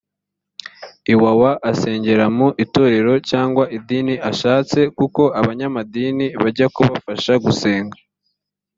iwawa asengera mu itorero cyanga idini ashatse kuko abanyamadini bajya kubafasha gusenga